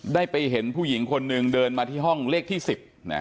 ได้ไปเห็นผู้หญิงคนหนึ่งเดินมาที่ห้องเลขที่๑๐